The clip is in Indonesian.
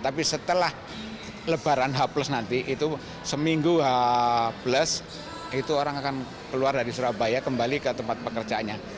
tapi setelah lebaran h plus nanti itu seminggu h plus itu orang akan keluar dari surabaya kembali ke tempat pekerjaannya